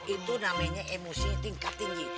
itu namanya emosi tingkat tinggi